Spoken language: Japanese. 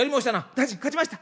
「大臣勝ちました！」。